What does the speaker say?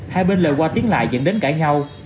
hai bên lời qua tiếng lại dẫn đến cãi nhau